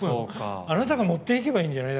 あなたが持っていけばいいんじゃない？